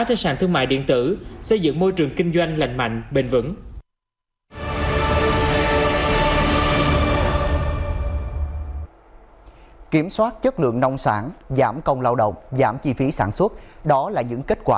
trên sàn thương mại điện tử